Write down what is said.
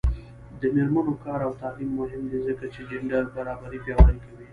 د میرمنو کار او تعلیم مهم دی ځکه چې جنډر برابري پیاوړې کوي.